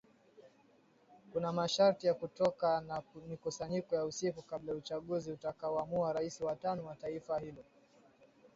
kuna masharti ya kutoka na mikusanyiko ya usiku kabla ya uchaguzi utakao amua rais wa tano wa taifa hilo